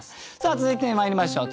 続いてまいりましょう。